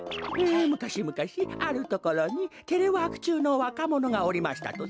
「むかしむかしあるところにテレワークちゅうのわかものがおりましたとさ」。